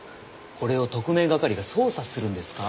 これを特命係が捜査するんですか？